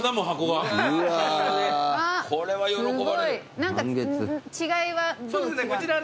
何か違いは？